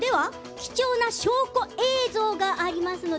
貴重な証拠映像があります。